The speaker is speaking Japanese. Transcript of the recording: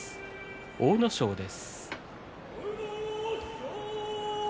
阿武咲です。